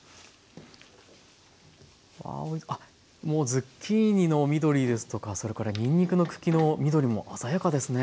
もうズッキーニの緑ですとかそれからにんにくの茎の緑も鮮やかですね。